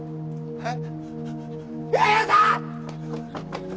えっ！？